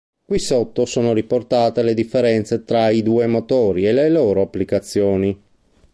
Qui sotto sono riportate le differenze tra i due motori e le loro applicazioni.